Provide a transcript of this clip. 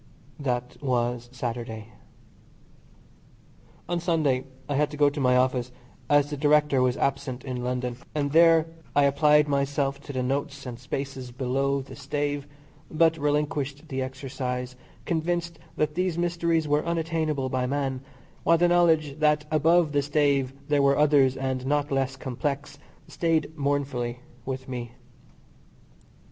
That was Saturday. On Sunday I had to go to my office, as the Director was absent in London, and there I applied myself to the notes and spaces below the stave, but relinquished the exercise, convinced that these mysteries were unattainable by man, while the knowledge that above the stave there were others and not less complex, stayed mournfully with me.